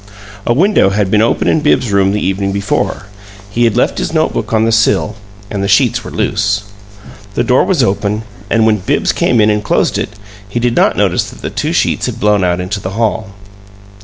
A window had been open in Bibbs's room the evening before; he had left his note book on the sill and the sheets were loose. The door was open, and when Bibbs came in and closed it, he did not notice that the two sheets had blown out into the hall.